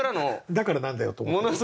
だから何だよと思ってる？